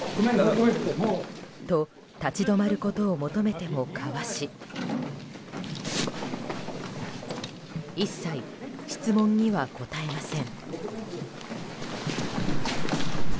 と立ち止まることを求めてもかわし一切質問には答えません。